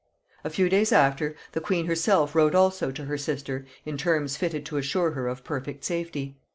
A few days after, the queen herself wrote also to her sister in terms fitted to assure her of perfect safety.